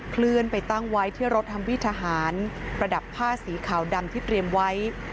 เคลื่อนไปตั้งไว้ที่รถฮัมวิทหารประดับผ้าสีขาวดำที่เตรียมไว้